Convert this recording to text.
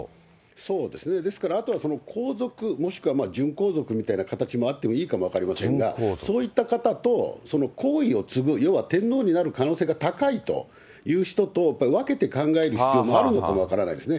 そうですね、ですから、あとは皇族、もしくは準皇族みたいな形もあってもいいかもわかりませんが、そういった方と皇位を継ぐ、要は天皇になる可能性が高いという人と、やっぱり分けて考える必要もあるのかも分からないですね。